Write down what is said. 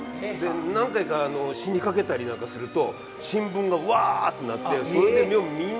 何回か死にかけたりなんかすると新聞がわっとなってそれでみんなが全国で心配する。